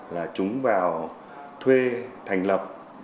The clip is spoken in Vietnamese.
là chúng vào thuê thành lập